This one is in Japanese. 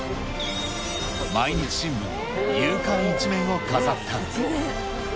毎日新聞の夕刊１面を飾った。